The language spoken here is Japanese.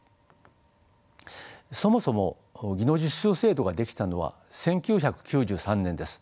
そもそも技能実習制度が出来たのは１９９３年です。